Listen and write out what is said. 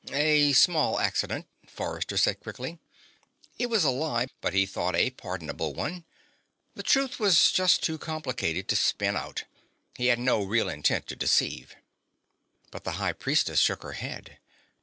"A small accident," Forrester said quickly. It was a lie, but he thought a pardonable one. The truth was just too complicated to spin out; he had no real intent to deceive. But the High Priestess shook her head.